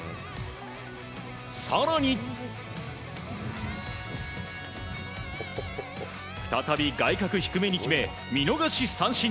更に、再び外角低めに決め見逃し三振。